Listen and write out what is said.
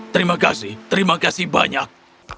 terima kasih terima kasih banyak